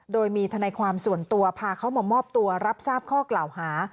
โดยมีทนายความส่วนตัวพาเขามามอบตัวรับทราบข้อกล่าวหา